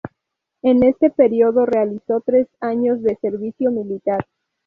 En este periodo realizó tres años de servicio militar.